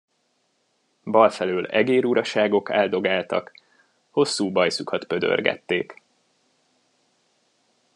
Bal felől egér uraságok álldogáltak, hosszú bajszukat pödörgették.